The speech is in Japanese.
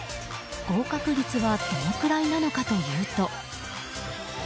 合格率はどのくらいなのかというと。